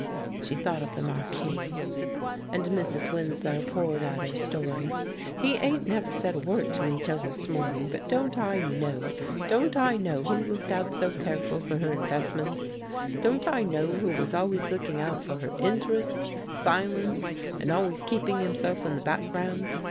She thought of the marquis; and Mrs. Winslow poured out her story: "He 'ain't never said a word to me till this morning. But don't I know? Don't I know who looked out so careful for her investments? Don't I know who was always looking out for her interest, silent, and always keeping himself in the background?